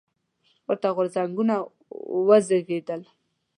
ورته غورځنګونه وزېږېدل.